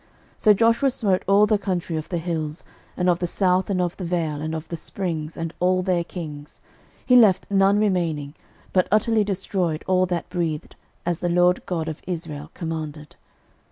06:010:040 So Joshua smote all the country of the hills, and of the south, and of the vale, and of the springs, and all their kings: he left none remaining, but utterly destroyed all that breathed, as the LORD God of Israel commanded.